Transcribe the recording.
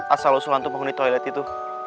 asal lo sulan tuh bangun di toilet itu